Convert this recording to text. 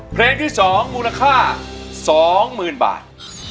เพลงที่๒มูลค่า๒๐๐๐บาท